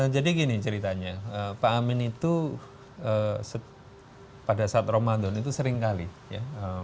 jadi gini ceritanya pak amin itu pada saat ramadan itu sering kali ya